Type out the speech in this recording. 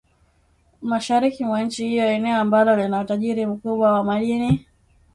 mashariki mwa nchi hiyo eneo ambalo lina utajiri mkubwa wa madini